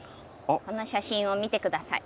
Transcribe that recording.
この写真を見て下さい。